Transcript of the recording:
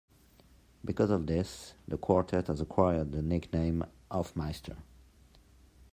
Because of this, the quartet has acquired the nickname Hoffmeister.